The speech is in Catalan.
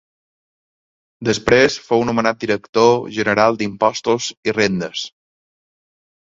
Després fou nomenat director general d'impostos i rendes.